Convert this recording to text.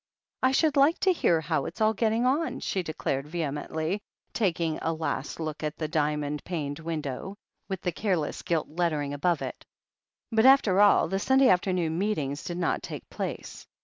I should like to hear how it's all getting on," she declared vehemently, taking a last look at the diamond paned window, with the careless gilt lettering above it. But, after all, the Sunday afternoon meetings did not take place.